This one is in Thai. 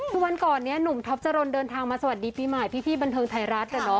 คือวันก่อนนี้หนุ่มท็อปจรนเดินทางมาสวัสดีปีใหม่พี่บันเทิงไทยรัฐ